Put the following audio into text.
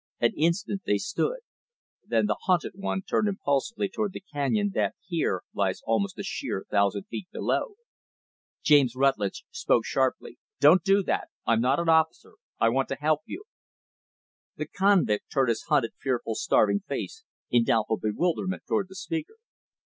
An instant they stood; then the hunted one turned impulsively toward the canyon that, here, lies almost a sheer thousand feet below. James Rutlidge spoke sharply. "Don't do that. I'm not an officer. I want to help you." The convict turned his hunted, fearful, starving face in doubtful bewilderment toward the speaker.